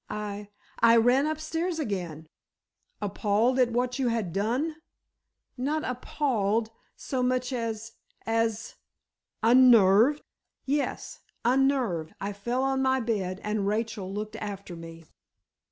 I—I ran upstairs again." "Appalled at what you had done?" "Not appalled—so much as—as——" "Unnerved?" "Yes; unnerved. I fell on my bed, and Rachel looked after me."